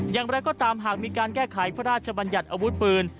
อย่างไรก็ตามหากมีการแก้ไขพระราชบัญญัติอาวุธปืน